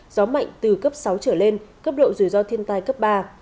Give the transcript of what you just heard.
gió mạnh từ cấp sáu trở lên cấp độ rủi ro thiên tai cấp ba